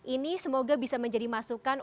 ini semoga bisa menjadi masukan